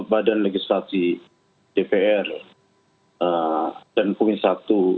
badan legislatif dpr dan punggung i